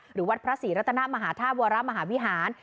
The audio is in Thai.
หรือวัดพระศรีรัตนมหาธาตุวรมหาวิหาร